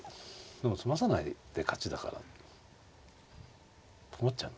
でも詰まさないで勝ちだから困っちゃう。